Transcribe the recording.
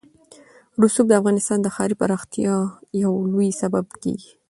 رسوب د افغانستان د ښاري پراختیا یو لوی سبب کېږي.